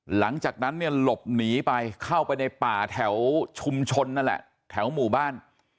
หลังจากนั้นเนี่ยหลบหนีไปเข้าไปในป่าแถวชุมชนนั่นแหละแถวหมู่บ้าน